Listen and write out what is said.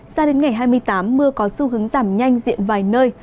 sao đến ngày hai mươi tám mưa có xu hướng giảm nhanh diện vài nơi